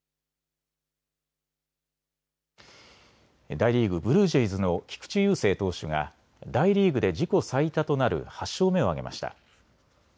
大リーグ、ブルージェイズの菊池雄星投手が大リーグで自己最多となる８勝目を挙げました。